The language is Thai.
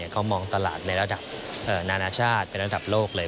เขามองตลาดในระดับนานาชาติเป็นระดับโลกเลย